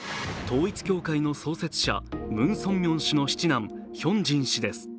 統一教会の創設者ムン・ソンミョン氏の七男ヒョンジン氏です。